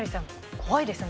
怖いですね。